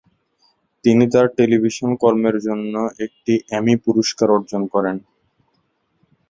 তিনি তার টেলিভিশন কর্মের জন্য একটি এমি পুরস্কার অর্জন করেন।